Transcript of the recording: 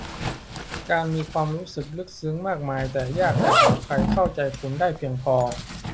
การมีความรู้สึกลึกซึ้งมากมายแต่ยากจะหาใครเข้าใจคุณได้เพียงพอ